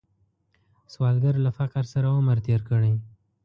سوالګر له فقر سره عمر تیر کړی